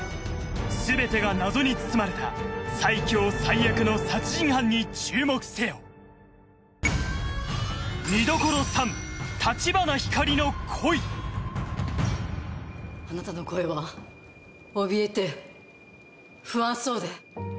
全てが謎に包まれた最凶最悪の殺人犯に注目せよあなたの声はおびえて不安そうで。